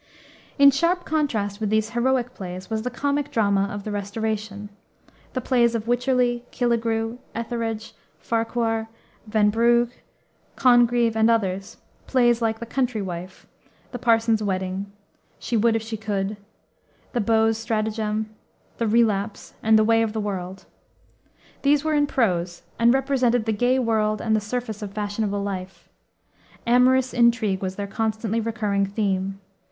In sharp contrast with these heroic plays was the comic drama of the Restoration, the plays of Wycherley, Killigrew, Etherege, Farquhar, Van Brugh, Congreve, and others; plays like the Country Wife, the Parson's Wedding, She Would if She Could, the Beaux' Stratagem, the Relapse, and the Way of the World. These were in prose, and represented the gay world and the surface of fashionable life. Amorous intrigue was their constantly recurring theme.